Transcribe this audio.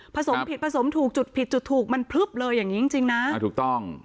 สมผิดผสมถูกจุดผิดจุดถูกมันพลึบเลยอย่างงี้จริงจริงนะอ่าถูกต้อง